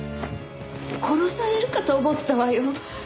殺されるかと思ったわよ。